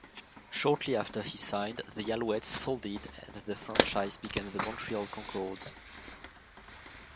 Shortly after he signed the Alouettes folded and the franchise became the Montreal Concordes.